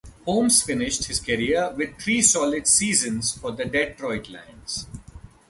Holmes finished his career with three solid seasons for the Detroit Lions.